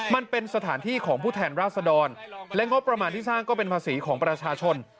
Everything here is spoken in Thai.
มันเป็นสถานที่ของผู้แทนราษดรและงบประมาณที่สร้างก็เป็นภาษีของประชาชน